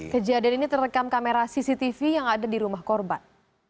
kejadian ini terekam kamera cctv yang ada di rumah korban